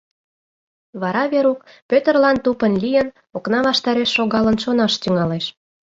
Вара Верук, Пӧтырлан тупынь лийын, окна ваштареш шогалын шонаш тӱҥалеш.